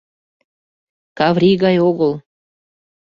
— Каврий гай огыл.